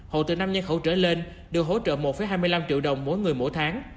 hộ từ năm nhân khẩu trở lên được hỗ trợ một hai mươi năm triệu đồng mỗi người mỗi tháng